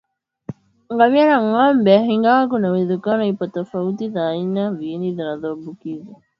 Ngamia na ngombe ingawa kuna uwezekano ipo tofauti za aina za viini zinazoambukiza